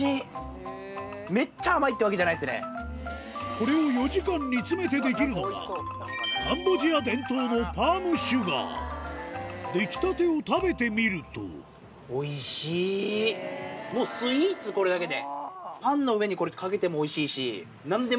これを４時間煮詰めて出来るのが出来たてを食べてみるともうスイーツこれだけで。